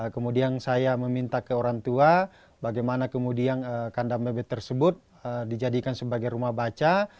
kemudian saya meminta ke orang tua bagaimana kemudian kandang bebek tersebut dijadikan sebagai rumah baca